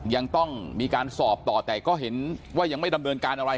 ยังต้องมีการสอบต่อแต่ก็เห็นว่ายังไม่ดำเนินการอะไร